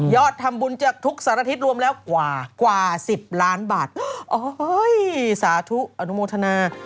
ทำบุญจากทุกสารทิศรวมแล้วกว่ากว่าสิบล้านบาทโอ้ยสาธุอนุโมทนา